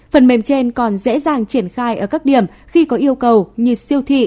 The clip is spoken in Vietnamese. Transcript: phần mềm trên còn dễ dàng triển khai ở các điểm khi có yêu cầu như siêu thị